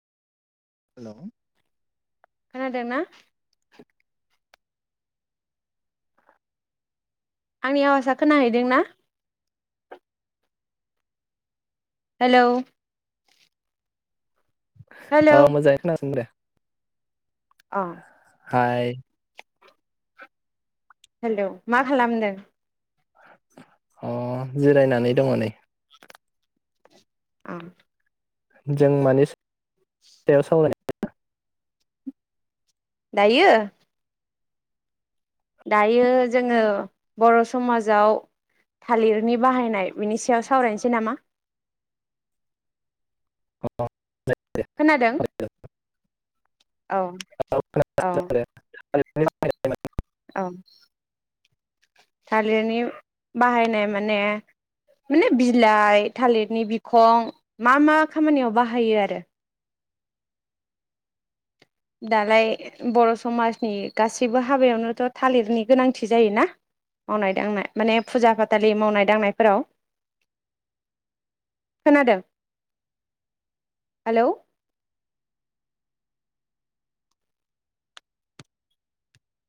Hello खोनादोंना? आंनि आवाजआ खोनाहैदों ना? हेलौ हेलौ औ मोंयैजा खोना सोंदे। अ हाय! हेलौ मा खालामदों? अ जिरायनानै दङ नै ओं जों मानि [unintelligible] सायाव सावराय [unintelligible] दायो? दायो जोङो बर' समाजाव थालिरनि बाहायनाय बिनि सायाव सावरायनोसै नामा? अ खोनादों औ औ [unintelligible] औ थालिरनि बाहायनाय माने माने बिलाइ थालिरनि बिखं मा मा खामानियाव बाहायो आरो दालाय बर' समाजनि गासैबो हाबायावनोथ' थालिरनि गोनांथि जायोना मावनाय दांनाय माने फुजा फाथालि मावनाय दांनायफोराव खोनादों हेलौ